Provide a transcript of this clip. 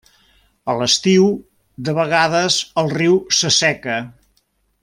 A l'estiu de vegades el riu s'asseca.